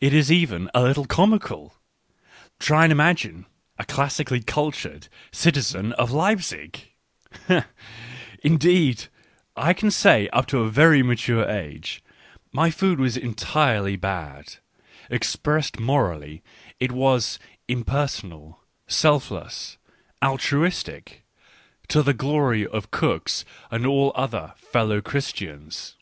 It is even a little comical — try and imagine a " classic ally cultured " citizen of Leipzig !— Indeed, I can say, that up to a very mature age, my food was en Digitized by Google 30 ECCE HOMO tirely bad — expressed morally, it was "impersonal," " selfless," " altruistic," to the glory of cooks and all other fellow Christians.